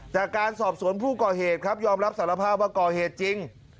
จากการสอบสวนผู้ก่อเหตุครับยอมรับสารภาพว่าก่อเหตุจริง